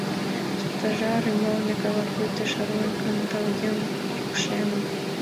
Стожар ӱмбалне кава пуйто шарлен, кандалген, кӱкшемын.